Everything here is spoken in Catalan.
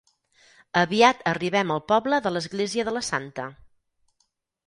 Aviat arribem al poble de l'església de la Santa.